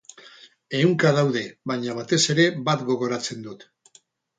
Ehunka daude, baina batez ere bat gogoratzen dut.